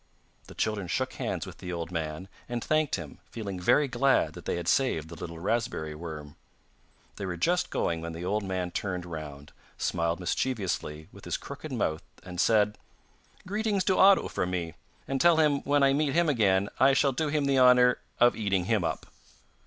The children shook hands with the old man and thanked him, feeling very glad that they had saved the little raspberry worm. They were just going when the old man turned round, smiled mischievously with his crooked mouth, and said: 'Greetings to Otto from me, and tell him when I meet him again I shall do him the honour of eating him up.